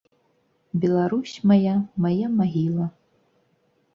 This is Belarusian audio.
Беларусь мая, мая магіла.